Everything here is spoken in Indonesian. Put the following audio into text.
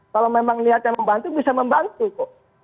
kalau memang niatnya membantu bisa membantu kok